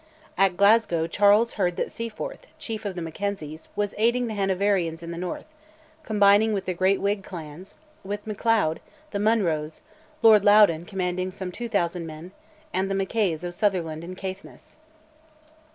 At Glasgow, Charles heard that Seaforth, chief of the Mackenzies, was aiding the Hanoverians in the north, combining with the great Whig clans, with Macleod, the Munroes, Lord Loudoun commanding some 2000 men, and the Mackays of Sutherland and Caithness.